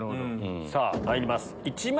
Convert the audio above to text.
さぁまいります